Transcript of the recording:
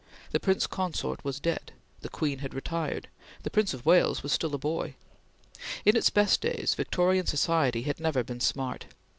The Prince Consort was dead; the Queen had retired; the Prince of Wales was still a boy. In its best days, Victorian society had never been "smart."